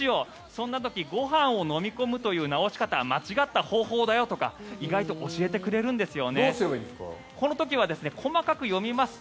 そんな時ご飯を飲み込むという治し方は間違った方法だよとか意外と教えてくれるんです。